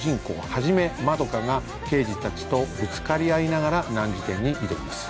一円が刑事たちとぶつかり合いながら難事件に挑みます。